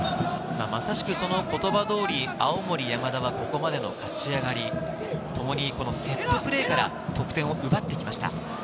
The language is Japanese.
まさしく言葉通り青森山田はここまでの勝ち上がり、ともにセットプレーから得点を奪ってきました。